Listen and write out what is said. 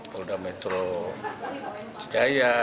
polda metro jaya